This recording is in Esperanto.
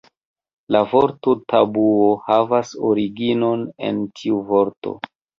La vorto tabuo havas originon en tiu vorto.